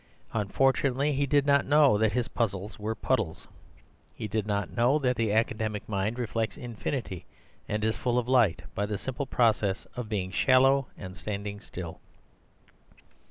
Unfortunately he did not know that his puzzles were puddles. He did not know that the academic mind reflects infinity and is full of light by the simple process of being shallow and standing still.